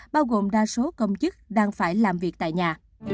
bao gồm đa số công chức đang phải làm việc tại nhà